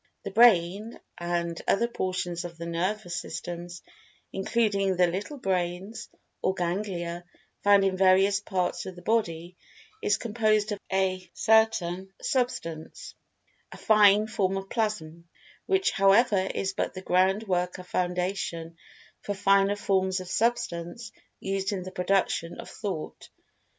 The Brain (and other portions of the nervous systems, including the "little brains" or ganglia, found in various parts of the body) is composed of a certain substance—a fine form of Plasm, which however is but the ground work[Pg 211] of foundation for finer forms of Substance used in the production of Thought.